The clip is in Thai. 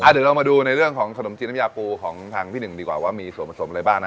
เดี๋ยวเรามาดูในเรื่องของขนมจีนน้ำยาปูของทางพี่หนึ่งดีกว่าว่ามีส่วนผสมอะไรบ้างนะ